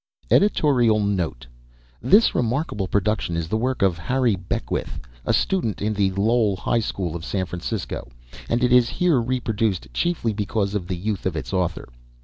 [EDITORIAL NOTE. This remarkable production is the work of Harry Beckwith, a student in the Lowell High School of San Francisco, and it is here reproduced chiefly because of the youth of its author.